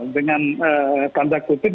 dengan tanda kutip